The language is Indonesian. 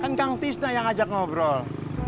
kan kang tisnah yang ajak ngobrol